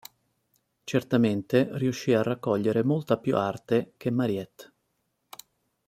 Certamente riuscì a raccogliere molta più arte che Mariette.